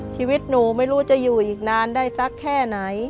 ชีวิตหนูไม่รู้จะอยู่อีกนานได้สักแค่ไหน